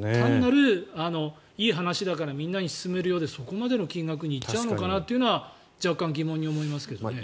単なるいい話だからみんなに勧めるよでそこまでの金額にいっちゃうのかなというのは若干疑問に思いますけどね。